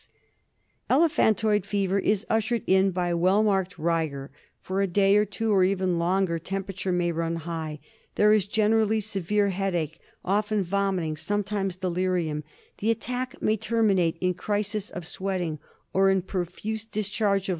l86 DIAGNOSIS OF ELEPHANTOID FEVER. Elephantoid fever is ushered in by well marked rigor. For a day or two, or even longer, temperature may run high. There is generally severe headache, often vomiting, sometimes delirium. The attack may terminate in crisis of sweating, or in profuse discharge of.